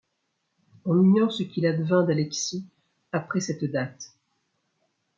On ignore ce qu’il advint d’Alexis après cette date.